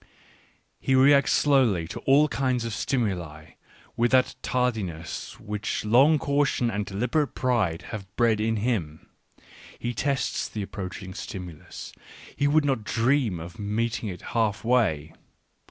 He reacts slowly to all kinds of stimuli, with that tardiness which long caution and deliberate pride have bred in him — he tests the approaching stimulus ; he would not dream of meeting it half way.